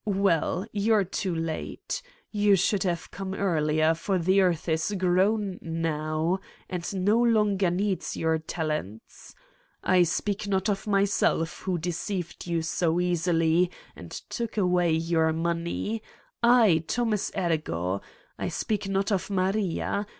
Well, you're too late. You should have come earlier, for the earth is grown now and no longer needs your talents. I speak not of my self, who deceived you so easily and took away your money: I, Thomas Ergo. I speak not of Maria.